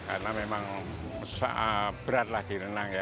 karena memang beratlah di renang ya